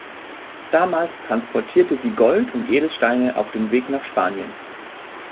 Damals transportierte sie Gold und Edelsteine auf dem Weg nach Spanien.